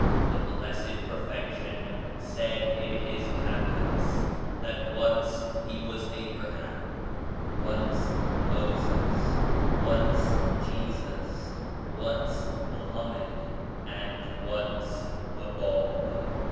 The Blessed Perfection said in His Tablets that once He was Abraham, once Moses, once Jesus, once Mo hammed and once the Bab.